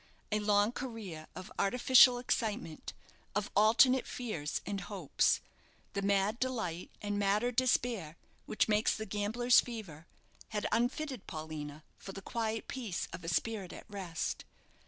A long career of artificial excitement, of alternate fears and hopes, the mad delight and madder despair which makes the gambler's fever, had unfitted Paulina for the quiet peace of a spirit at rest.